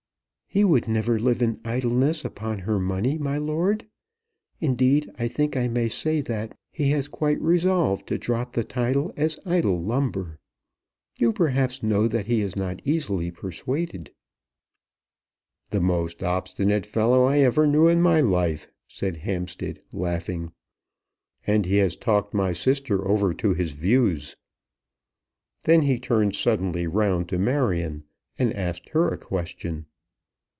"He would never live in idleness upon her money, my lord. Indeed I think I may say that he has quite resolved to drop the title as idle lumber. You perhaps know that he is not easily persuaded." "The most obstinate fellow I ever knew in my life," said Hampstead, laughing. "And he has talked my sister over to his own views." Then he turned suddenly round to Marion, and asked her a question.